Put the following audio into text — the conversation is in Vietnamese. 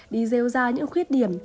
đi rêu ra những khuyết điểm